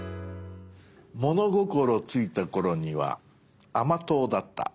物心ついた頃には甘党だった。